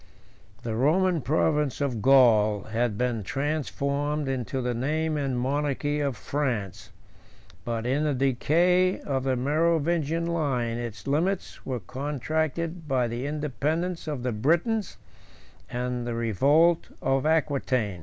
The Roman province of Gaul had been transformed into the name and monarchy of France; but, in the decay of the Merovingian line, its limits were contracted by the independence of the Britons and the revolt of Aquitain.